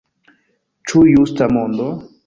Ĉu justa mondo?